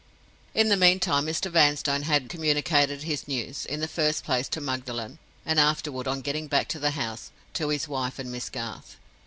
In the meantime, Mr. Vanstone had communicated his news—in the first place, to Magdalen, and afterward, on getting back to the house, to his wife and Miss Garth.